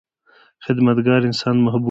• خدمتګار انسان محبوب وي.